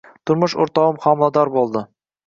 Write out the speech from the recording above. Turmush o`rtog`im homilador bo`ldi